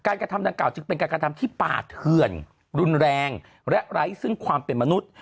กระทำดังกล่าจึงเป็นการกระทำที่ป่าเถื่อนรุนแรงและไร้ซึ่งความเป็นมนุษย์